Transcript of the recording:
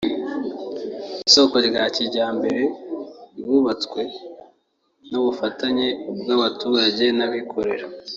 isoko rya kijyambere ryubatswe ku bufatanye bw’abaturage n’abikorera